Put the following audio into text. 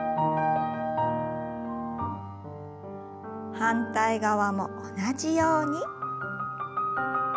反対側も同じように。